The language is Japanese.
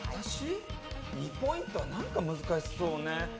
２ポイント、何か難しそうね。